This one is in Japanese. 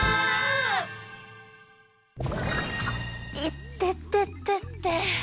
いてててて。